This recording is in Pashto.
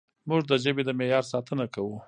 موږ د ژبې د معیار ساتنه کوو.